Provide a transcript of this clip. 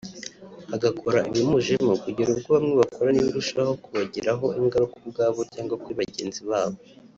agakora ibimujemo kugera ubwo bamwe bakora n’ibirushaho kubagira ho ingaruka ubwabo cyangwa kuri bagenzi babo